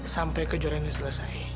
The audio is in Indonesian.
sampai kejuaraan ini selesai